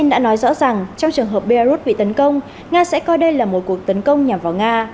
trong trường hợp beirut bị tấn công nga sẽ coi đây là một cuộc tấn công nhằm vào nga